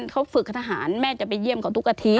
เขาฝึกกับทหารแม่จะไปเยี่ยมเขาทุกอาทิตย์